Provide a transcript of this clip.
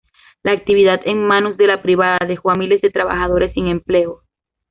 La actividad en manos de la privada dejó a miles de trabajadores sin empleo.